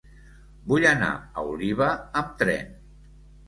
Vull anar a Oliva amb tren.